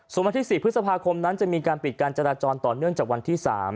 ส่วนวันที่๔พฤษภาคมนั้นจะมีการปิดการจราจรต่อเนื่องจากวันที่๓